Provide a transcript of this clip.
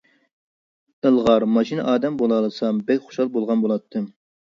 ئىلغار ماشىنا ئادەم بولالىسام بەك خۇشال بولغان بولاتتىم.